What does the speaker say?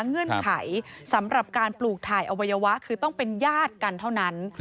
เงื่อนไขสำหรับการปลูกถ่ายอวัยวะคือต้องเป็นญาติกันเท่านั้น